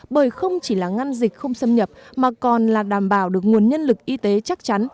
bởi không chỉ là ngăn dịch không xâm nhập mà còn là đảm bảo được nguồn nhân lực y tế chắc chắn